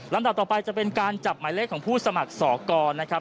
ดับต่อไปจะเป็นการจับหมายเลขของผู้สมัครสอกรนะครับ